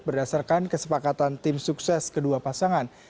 berdasarkan kesepakatan tim sukses kedua pasangan